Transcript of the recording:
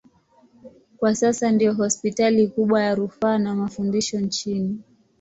Kwa sasa ndiyo hospitali kubwa ya rufaa na mafundisho nchini.